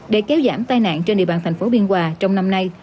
để kéo giảm tai nạn trên địa bàn thành phố biên hòa trong năm nay